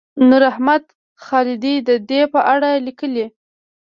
نوراحمد خالدي د دې په اړه لیکلي.